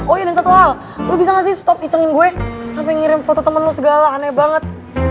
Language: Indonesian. oh iya dan satu hal lo bisa gak sih stop isengin gue sampai ngirim foto tuh menu segala aneh banget